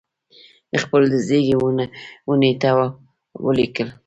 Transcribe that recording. خپل د زیږی و نېټه ولیکل